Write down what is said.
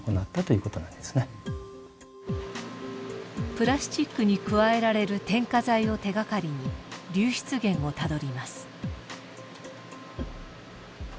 プラスチックに加えられる添加剤を手掛かりに流出源をたどります。